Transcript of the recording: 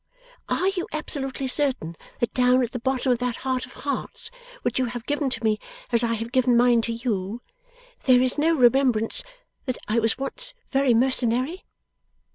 Are you absolutely certain that down at the bottom of that heart of hearts, which you have given to me as I have given mine to you, there is no remembrance that I was once very mercenary?